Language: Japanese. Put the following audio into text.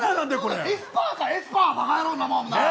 エスパーかエスパー、バカヤロー。